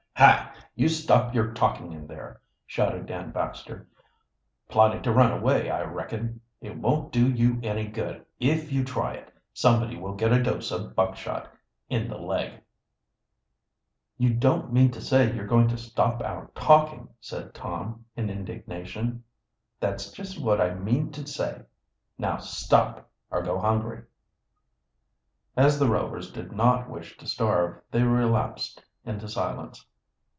"Hi, you stop your talking in there!" shouted Dan Baxter. "Plotting to run away, I reckon. It won't do you any good. If you try it, somebody will get a dose of buckshot in the leg." "You don't mean to say you're going to stop our talking," said Tom, in indignation. "That's just what I do mean to say. Now stop or go hungry." As the Rovers did not wish to starve, they relapsed into silence.